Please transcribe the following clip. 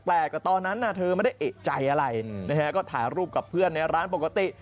ตอนนั้นเธอไม่ได้เอกใจอะไรนะฮะก็ถ่ายรูปกับเพื่อนในร้านปกติ